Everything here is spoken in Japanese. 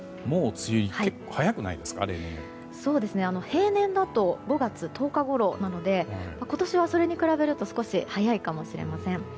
平年だと５月１０日ごろなので今年はそれに比べると少し早いかもしれません。